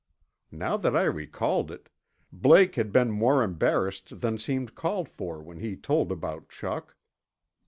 ... Now that I recalled it, Blake had been more embarrassed than seemed called for when he told about Chuck.